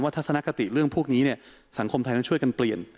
ทัศนคติเรื่องพวกนี้สังคมไทยต้องช่วยกันเปลี่ยน